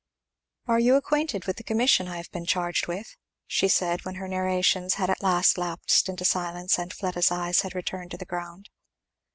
"Are you acquainted with the commission I have been charged with?" she said, when her narrations had at last lapsed into silence and Fleda's eyes had returned to the ground.